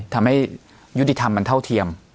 ทำให้ยุติธรรมมันเท่าเทียม